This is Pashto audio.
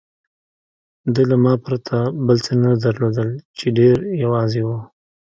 ده له ما پرته بل څه نه درلودل، چې ډېر یوازې و.